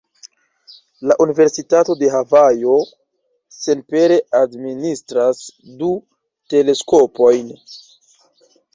La Universitato de Havajo senpere administras du teleskopojn.